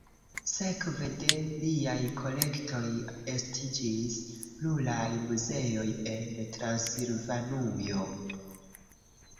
Sekve de liaj kolektoj estiĝis pluraj muzeoj en Transilvanujo.